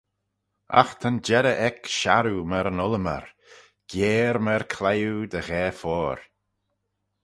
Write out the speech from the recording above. Agh ta'n jerrey eck sharroo myr yn ullymar, gyere myr cliwe dy ghaa-foyr.